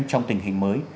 trong tình hình mới